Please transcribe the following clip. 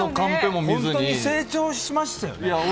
ホントに成長しましたよね。